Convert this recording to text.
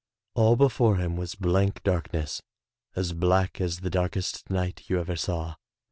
All before him was blank darkness, as black as the darkest night you ever saw.